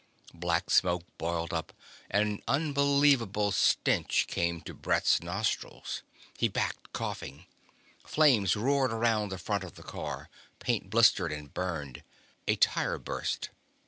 Black smoke boiled up; an unbelievable stench came to Brett's nostrils. He backed, coughing. Flames roared around the front of the car. Paint blistered and burned. A tire burst.